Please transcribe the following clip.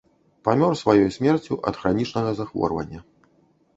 Памёр сваёй смерцю ад хранічнага захворвання.